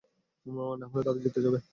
নাহলে, তারা জিতে যাবে।